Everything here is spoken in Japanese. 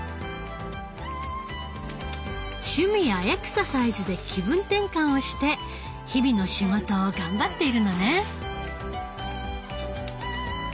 趣味やエクササイズで気分転換をして日々の仕事を頑張っているのね。